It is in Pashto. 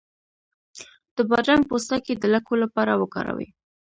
د بادرنګ پوستکی د لکو لپاره وکاروئ